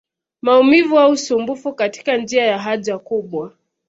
Maumivu au usumbufu katika njia ya haja kubwa